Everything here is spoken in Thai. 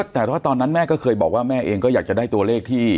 แต่ว่าตอนนั้นแม่ก็เคยบอกว่าแม่เองก็อยากจะได้ตัวเลขที่